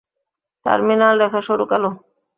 Terminal রেখা সরু কালো।